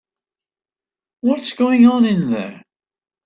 What's going on in there?